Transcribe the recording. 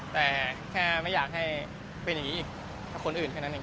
แต่แค่ไม่อยากให้เป็นอย่างนี้อีกกับคนอื่นแค่นั้นเอง